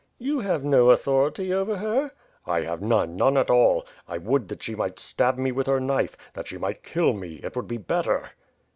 "You have no authority over her." "I have none, none at all. I would that she might stab me with her knife; that she might kill me; it would be better."